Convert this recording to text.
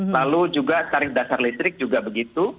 lalu juga tarif dasar listrik juga begitu